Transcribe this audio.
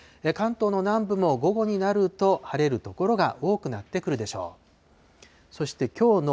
関東の南部も午後になると晴れる所が多くなってくるでしょう。